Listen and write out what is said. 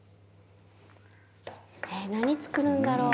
「えっ何作るんだろう？」